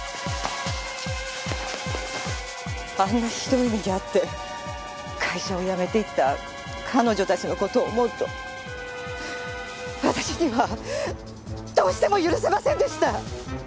あんなひどい目に遭って会社を辞めていった彼女たちの事を思うと私にはどうしても許せませんでした！